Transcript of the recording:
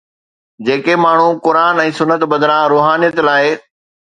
جيڪي ماڻهو قرآن ۽ سنت بدران روحانيت لاءِ